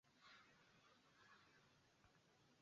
Sehemu muhimu ya maisha ya kila siku ya kila Mzanzibari.